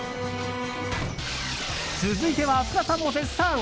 続いては、福田さんも絶賛。